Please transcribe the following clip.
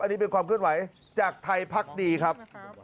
อันนี้เป็นความเคลื่อนไหวจากไทยพักดีครับ